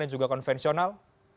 dan juga konvensional